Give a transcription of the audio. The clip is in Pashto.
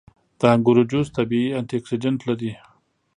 • د انګورو جوس طبیعي انټياکسیدنټ لري.